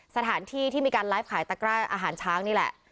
สถานที่ที่มีการไลฟ์ขายตะกร้าอาหารช้างนี่แหละ